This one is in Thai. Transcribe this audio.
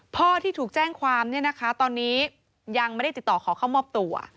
พ่อที่ถูกแจ้งความเนี่ยนะคะตอนนี้ยังไม่ได้ติดต่อขอเข้ามอบตัว